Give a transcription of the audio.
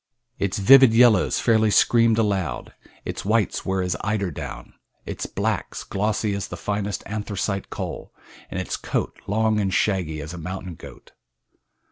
Its vivid yellows fairly screamed aloud; its whites were as eider down; its blacks glossy as the finest anthracite coal, and its coat long and shaggy as a mountain goat.